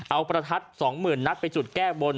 เอาประทัด๒๐๐๐นัดไปจุดแก้บน